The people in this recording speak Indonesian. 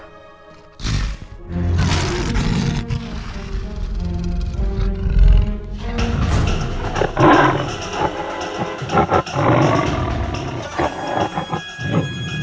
dan membuat raja menjadi orang baru